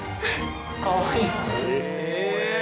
かわいい。